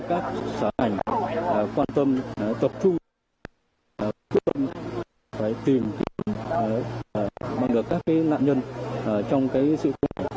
các xã hội quan tâm tập thu quyết tâm phải tìm bằng được các cái nạn nhân trong cái sự cố